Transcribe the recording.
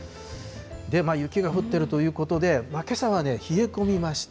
で、雪が降ってるということで、けさは冷え込みまして。